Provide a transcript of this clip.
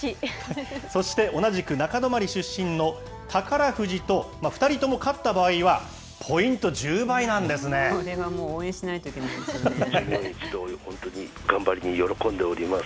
そして、同じく中泊出身の宝富士と２人とも勝った場合は、これはもう、応援しないとい従業員一同、本当に喜んでおります。